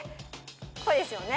こうですよね？